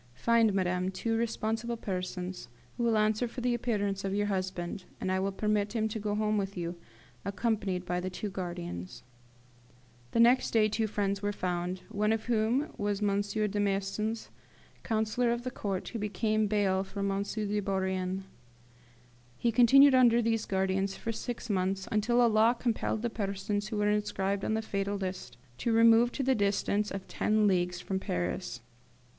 Find, madame, two responsible persons, who will answer for the appearance of your husband, and I will permit him to go home with you, accompanied by the two guardians." Next day two friends were found, one of whom was M. Desmaisons, counsellor of the court, who became bail for M. de Bourrienne. He continued under these guardians six months, until a law compelled the persons who were inscribed on the fatal list to remove to the distance of ten leagues from Paris.